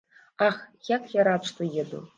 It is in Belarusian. Ах, як я рад, што еду.